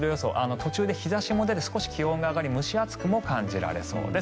途中で日差しも出て気温が上がり蒸し暑くも感じられそうです。